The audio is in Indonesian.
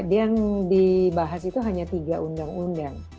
yang dibahas itu hanya tiga undang undang